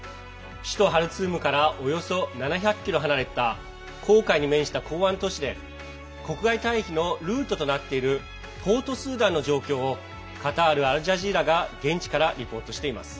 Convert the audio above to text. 首都ハルツームからおよそ７００ｋｍ離れた紅海に面した港湾都市で国外退避のルートとなっているポートスーダンの状況をカタール・アルジャジーラが現地からリポートしています。